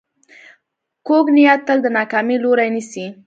کوږ نیت تل د ناکامۍ لوری نیسي